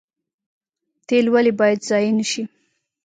تیل ولې باید ضایع نشي؟